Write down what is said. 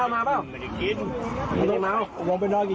บนมันเขาอยู่กันให้เต็มไหมรู้ไหม